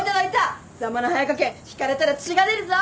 ざまな速かけんひかれたら血が出るぞ。